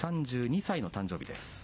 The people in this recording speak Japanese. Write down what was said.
３２歳の誕生日です。